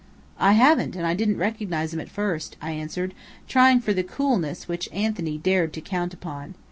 "I haven't, and I didn't recognize him at first," I answered, trying for the coolness which Anthony dared to count upon.